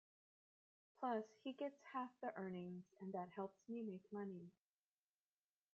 Plus he gets half the earnings and that helps me make money.